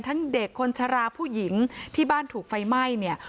เด็กคนชะลาผู้หญิงที่บ้านถูกไฟไหม้เนี่ย